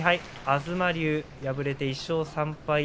東龍は敗れて１勝３敗。